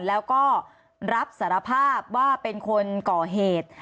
แล้วก็รับสารภาพว่าเป็นคนก่อเหตุ